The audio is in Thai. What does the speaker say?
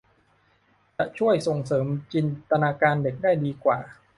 จะช่วยส่งเสริมจินตนาการเด็กได้ดีกว่า